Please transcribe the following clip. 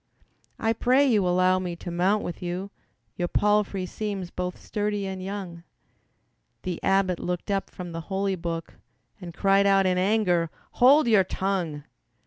"I pray you allow me to mount with you, Your palfrey seems both sturdy and young." The abbot looked up from the holy book And cried out in anger, "Hold your tongue!